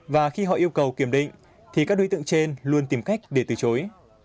và khi họ yêu cầu kiểm định thì các đối tượng trên luôn tìm cách để từ chối